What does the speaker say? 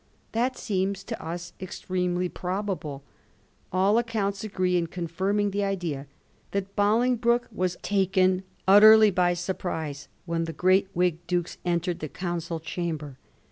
That seems to us extremely probable. AU accounts agree in confirming the idea that Boling broke was taken utterly by surprise when the great Whig dukes entered the Council chamber.